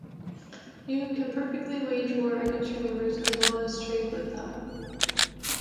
You can perfectly wage war against your neighbors as well as trade with them.